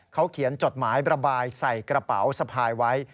เขาเขียนจดหมายระบายใส่กระเป๋าสะพายไว้